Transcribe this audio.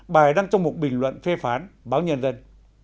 bài đăng trong một bình luận phê phán báo nhân dân